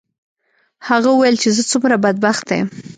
هغه وویل چې زه څومره بدبخته یم.